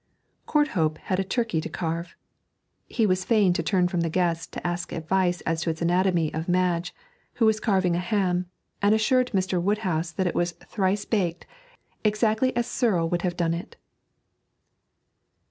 Courthope had a turkey to carve. He was fain to turn from the guests to ask advice as to its anatomy of Madge, who was carving a ham and assuring Mr. Woodhouse that it was 'thrice baked, exactly as Serle would have done it.'